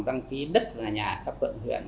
đăng ký đất nhà các cộng thuyện